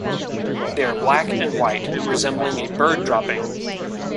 They are black and white, resembling a bird dropping.